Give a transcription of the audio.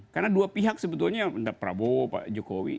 karena dua pihak sebetulnya entah prabowo pak jokowi